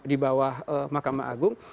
di bawah makam agung